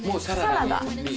サラダ。